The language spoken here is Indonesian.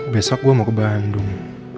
besok gue mau ke bandung